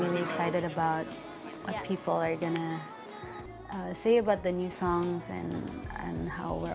saya sangat teruja dengan apa yang akan orang lihat tentang lagunya baru